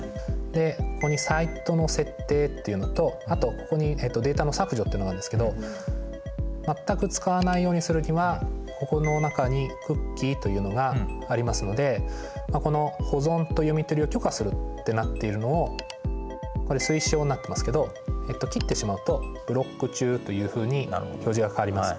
でここにサイトの設定っていうのとあとここにデータの削除っていうのがあるんですけど全く使わないようにするにはここの中にクッキーというのがありますのでこの保存と読み取りを許可するってなっているのをこれ推奨になってますけど切ってしまうとブロック中というふうに表示が変わります。